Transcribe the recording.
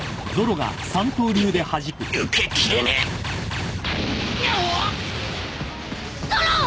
受けきれねえッゾロ！